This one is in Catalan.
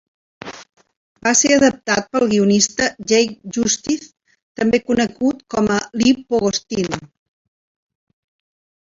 Va ser adaptat pel guionista Jake Justiz, també conegut com a Lee Pogostin.